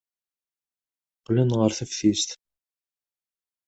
Qqlen ɣer teftist.